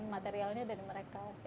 materialnya dari mereka